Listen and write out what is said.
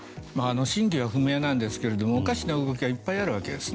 真偽は不明なんですけどおかしな動きはいっぱいあるわけです。